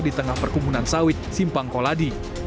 di tengah perkebunan sawit simpang koladi